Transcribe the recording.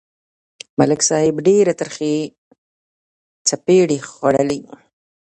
ملک صاحب ډېرې ترخې څپېړې خوړلې.